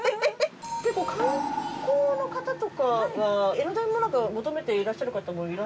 結構観光の方とかは江ノ電もなかを求めていらっしゃる方も。